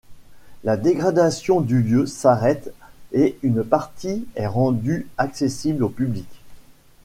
La dégradation du lieu s'arrête et une partie est rendue accessible au public.